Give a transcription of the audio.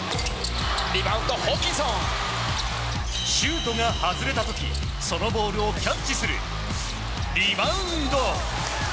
シュートが外れた時そのボールをキャッチするリバウンド。